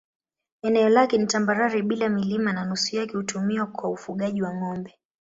Eneo lake ni tambarare bila milima na nusu yake hutumiwa kwa ufugaji wa ng'ombe.